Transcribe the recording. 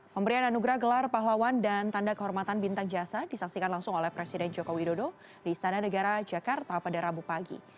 pemberian anugerah gelar pahlawan dan tanda kehormatan bintang jasa disaksikan langsung oleh presiden joko widodo di istana negara jakarta pada rabu pagi